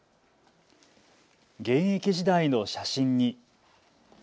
現役時代の写真に。